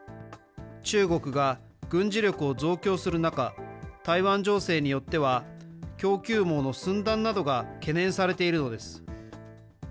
中国が軍事力を増強する中、台湾情勢によっては、供給網の寸断などが懸念されているのです。